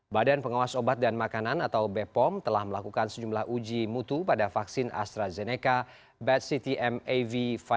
badan pengawas obat dan makanan atau bepom telah melakukan sejumlah uji mutu pada vaksin astrazeneca batch ctmav lima